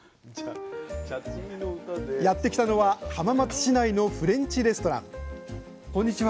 やって来たのは浜松市内のフレンチレストランこんにちは。